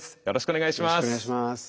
よろしくお願いします。